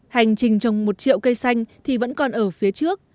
hành trình trồng một triệu cây xanh thì vẫn còn ở phía trước